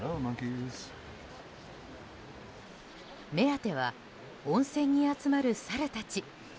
目当ては温泉に集まるサルたち。